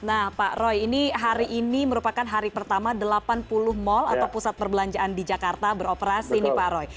nah pak roy ini hari ini merupakan hari pertama delapan puluh mal atau pusat perbelanjaan di jakarta beroperasi nih pak roy